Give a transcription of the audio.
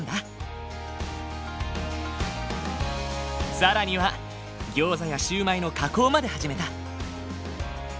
更にはギョーザやシューマイの加工まで始めた。